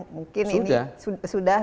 mungkin ini sudah